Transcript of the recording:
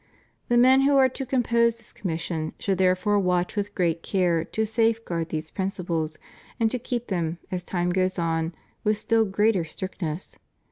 The men who are to compose this commission should therefore watch with great care to safeguard these prin ciples and to keep them, as time goes on, with still greater strictness.